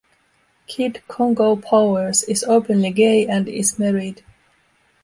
Kid Congo Powers is openly gay and is married.